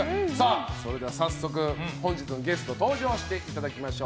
それでは早速、本日のゲスト登場していただきましょう。